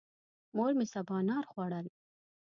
مور مې سبانار خوړل.